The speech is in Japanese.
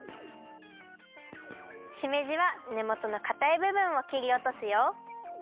しめじはねもとのかたいぶぶんをきりおとすよ。